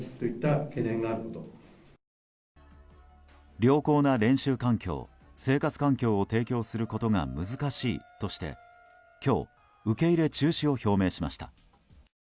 良好な練習環境生活環境を提供することが難しいとして、今日受け入れ中止を表明しました。